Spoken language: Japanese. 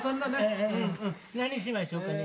何しましょうかね。